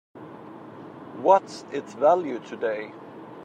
What's its value today?